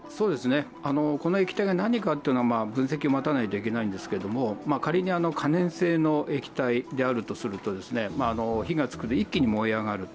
この液体が何かというのは分析を待たないといけないんですが仮に可燃性の液体であるとすると、火がつくと一気に燃え上がると。